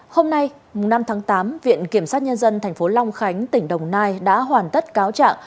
hôm nay năm tháng tám viện kiểm sát nhân dân tp long khánh tỉnh đồng nai đã hoàn tất cáo trạng